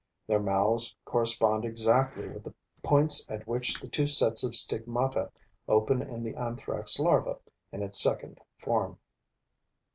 Their mouths correspond exactly with the points at which the two sets of stigmata open in the Anthrax larva in its second form.